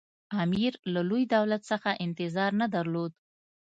امیر له لوی دولت څخه انتظار نه درلود.